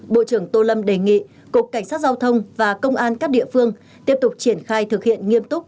bộ trưởng tô lâm đề nghị cục cảnh sát giao thông và công an các địa phương tiếp tục triển khai thực hiện nghiêm túc